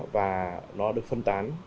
và nó được phân tán